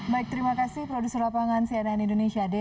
baik terima kasih produser lapangan cnn indonesia